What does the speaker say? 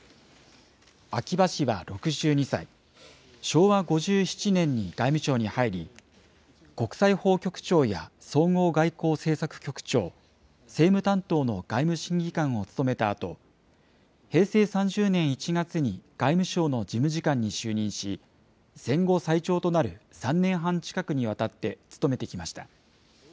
秋葉氏は６２歳、昭和５７年に外務省に入り、国際法局長や総合外交政策局長、政務担当の外務審議官を務めたあと、平成３０年１月に外務省の事務次官に就任し、戦後最長となる３年半近くにわたって務めてきました。